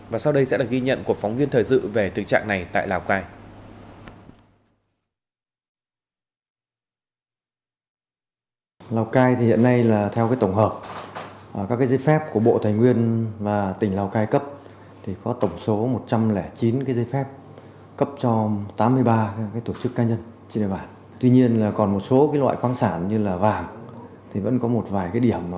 và sau đây sẽ được ghi nhận của phóng viên thời dự về tình trạng này tại lào cai